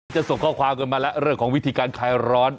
จะส่งข้อความกันมาแล้วเรื่องของวิธีการคลายร้อน